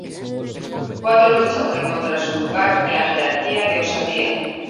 Cuatro lucha por encontrar su lugar en la jerarquía de Osadía.